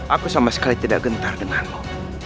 aku sama sekali tidak gentar denganmu